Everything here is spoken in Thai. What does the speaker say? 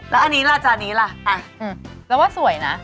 แล้วจากอันนี้ล่ะเราว่าสวยนะ